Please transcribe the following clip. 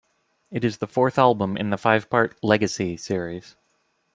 It is the fourth album in the five-part "Legacy" series.